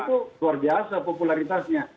itu luar biasa popularitasnya